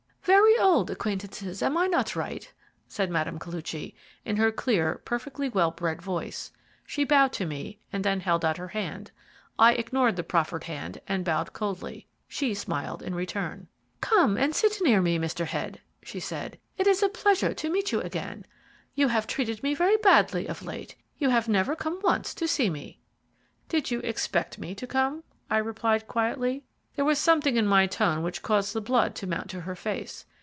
"Very old acquaintances, am I not right?" said Mme. Koluchy, in her clear, perfectly well bred voice. She bowed to me and then held out her hand. I ignored the proffered hand and bowed coldly. She smiled in return. "Come and sit near me, Mr. Head," she said; "it is a pleasure to meet you again; you have treated me very badly of late. You have never come once to see me." "Did you expect me to come?" I replied quietly. There was something in my tone which caused the blood to mount to her face.